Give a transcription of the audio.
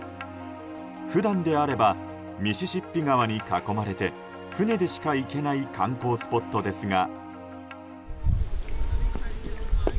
普段であればミシシッピ川に囲まれて船でしか行けない観光スポットですが。